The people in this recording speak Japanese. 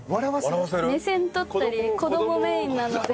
目線撮ったり子供メインなので。